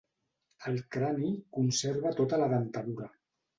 El crani conserva tota la dentadura.